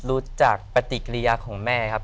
รู้จักปฏิกิริยาของแม่ครับ